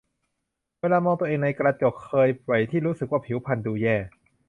เวลามองตัวเองในกระจก เคยไหมที่รู้สึกว่าผิวพรรณดูแย่